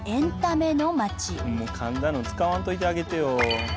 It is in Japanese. かんだの使わんといてあげてよ。